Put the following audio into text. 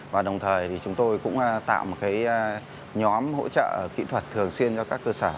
và đồng thời thì chúng tôi cũng tạo một nhóm hỗ trợ kỹ thuật thường xuyên cho các cơ sở